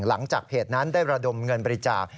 หลังจากเพจนั้นได้ระดมเงินบริจาค